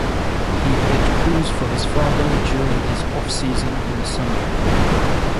He pit crews for his father during his off-season in the summer.